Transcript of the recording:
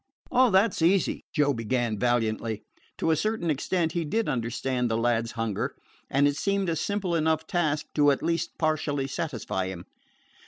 "Oh, that 's easy," Joe began valiantly. To a certain extent he did understand the lad's hunger, and it seemed a simple enough task to at least partially satisfy him.